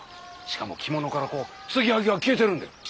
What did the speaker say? しかも着物からこう継ぎはぎが消えてるんで。